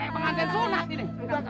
kayak pengantin sunah ini